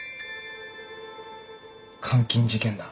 監禁事件だ。